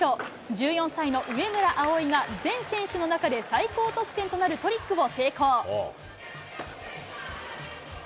１４歳の上村葵が、全選手の中で最高得点となるトリックを成功。